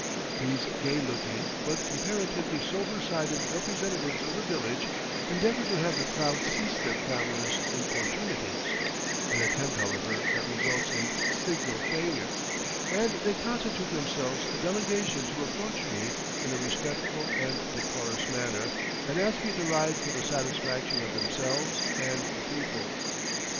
These gay looking, but comparatively sober sided representatives of the village, endeavor to have the crowd cease their clamorous importunities an attempt, however, that results in signal failure and they constitute themselves a delegation to approach me in a respectful and decorous manner, and ask me to ride for the satisfaction of themselves and the people.